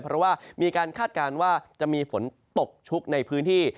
เพราะว่ามีการคาดการณ์ว่าจะมีฝนตกชุกในพื้นที่